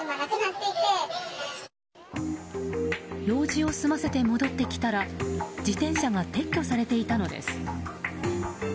用事を済ませて戻ってきたら自転車が撤去されていたのです。